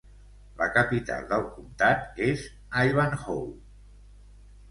La capital del comtat és Ivanhoe.